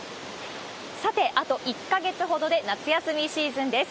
さて、あと１か月ほどで夏休みシーズンです。